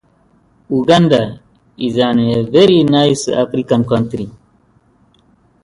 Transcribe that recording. Sung by male trios, it is strongly harmonic and occasionally dissonant.